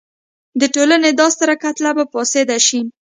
د ټولنې دا ستره کتله به فاسده شي.